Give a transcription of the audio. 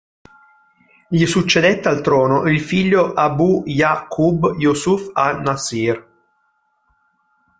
Gli succedette al trono il figlio Abū Yaʿqūb Yūsuf al-Naṣr.